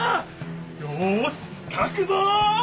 よしかくぞ！